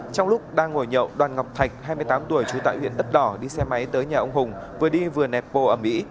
trong lúc đang ngồi nhậu đoàn ngọc thạch hai mươi tám tuổi chú tại huyện đất đỏ đi xe máy tới nhà ông hùng vừa đi vừa nẹp bồ ẩm ý